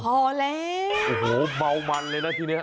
พอแล้วโอ้โหเมามันเลยนะทีนี้